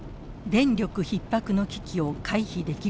電力ひっ迫の危機を回避できるのか。